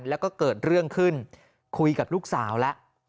แล้วก็เกิดเรื่องขึ้นคุยกับลูกสาวแล้ว